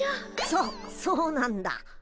そそうなんだ。